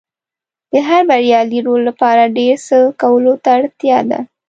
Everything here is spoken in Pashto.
د هر بریالي رول لپاره ډېر څه کولو ته اړتیا ده.